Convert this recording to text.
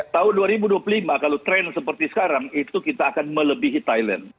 tahun dua ribu dua puluh lima kalau tren seperti sekarang itu kita akan melebihi thailand